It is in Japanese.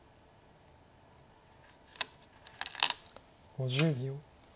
５０秒。